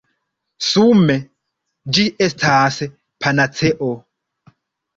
Sume, ĝi estas panaceo!